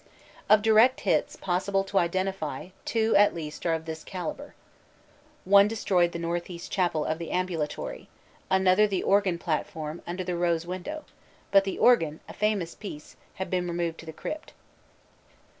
Of direct hits possible to identify two at least are of this calibre. FRENCH SCENES 105 One destroyed the northeast chapel of the ambulatory; another the organ platform under the rose window, but the organ, a famous piece, had been removed to the crypt.